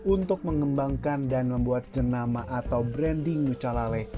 untuk mengembangkan dan membuat jenama atau branding nucalale